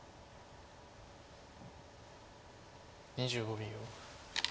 ２５秒。